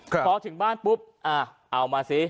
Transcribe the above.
เขาถึงบ้านปุ๊บอ่ะเอามาสิ